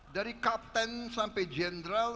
dari kapten sampai jenderal